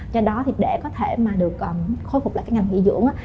do đó để có thể khôi phục lại ngành nghỉ dưỡng